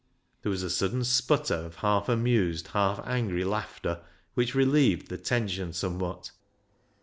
There was a sudden sputter of half amused, half angry laughter, which relieved the tension somewhat.